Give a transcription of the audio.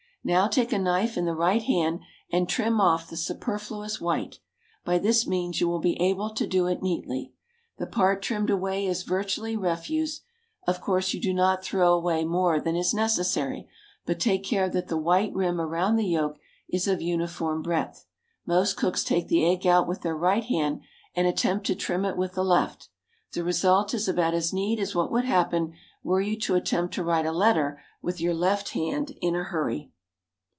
Now take a knife in the right hand and trim off the superfluous white. By this means you will be able to do it neatly. The part trimmed away is virtually refuse. Of course, you do not throw away more than is necessary, but take care that the white rim round the yolk is of uniform breadth. Most cooks take the egg out with their right hand, and attempt to trim it with the left; the result is about as neat as what would happen were you to attempt to write a letter with your left hand in a hurry.